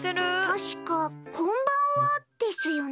確か「こんばんは」ですよね。